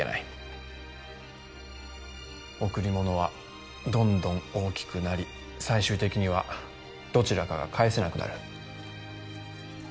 贈り物はどんどん大きくなり最終的にはどちらかが返せなくなる。